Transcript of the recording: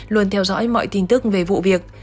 luôn theo dõi mọi tin tức về vụ việc